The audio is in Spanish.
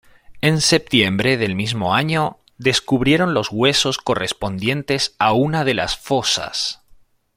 En septiembre del mismo año, descubrieron los huesos correspondientes a una de las fosas.